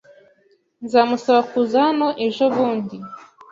Nzamusaba kuza hano ejobundi.